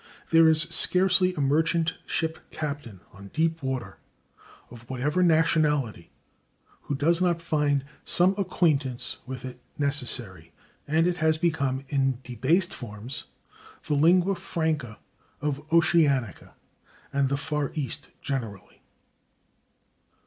There is scarcely a merchant ship captain on deep water, of whatever nationality, who does not find some acquaintance with it necessary, and it has become, in debased forms, the /lingua franca/ of Oceanica and the Far East generally.